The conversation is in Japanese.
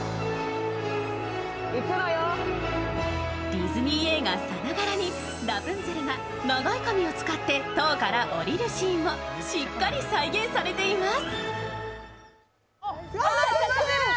ディズニー映画さながらにラプンツェルが長い髪を使って塔から降りるシーンもしっかり再現されています。